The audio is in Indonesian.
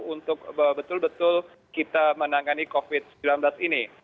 untuk betul betul kita menangani covid sembilan belas ini